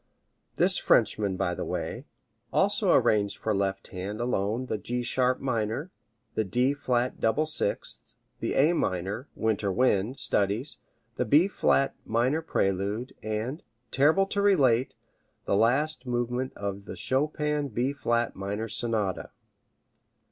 This Frenchman, by the way, has also arranged for left hand alone the G sharp minor, the D flat double sixths, the A minor "Winter Wind" studies, the B flat minor prelude, and, terrible to relate, the last movement of the Chopin B flat minor Sonata.